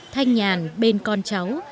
thanh nhàn bên con cháu